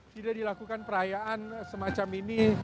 tidak dilakukan perayaan semacam ini